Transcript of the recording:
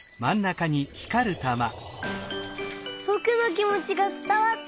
ぼくのきもちがつたわった！